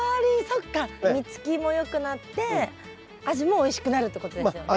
そっか実つきもよくなって味もおいしくなるってことですよね。